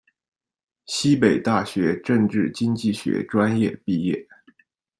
西北大学政治经济学专业毕业。